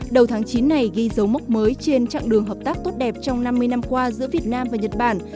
đầu tháng chín này ghi dấu mốc mới trên chặng đường hợp tác tốt đẹp trong năm mươi năm qua giữa việt nam và nhật bản